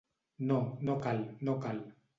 No, no cal, no cal.